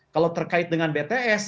kalau terkait dengan bts